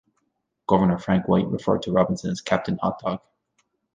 Governor Frank White referred to Robinson as "Captain Hotdog".